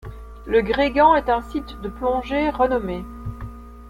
Le Grégan est un site de plongée renommé.